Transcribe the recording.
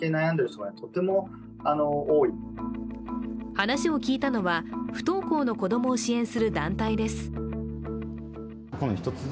話を聞いたのは、不登校の子供を支援する団体です。